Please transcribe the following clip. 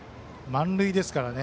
満塁ですからね。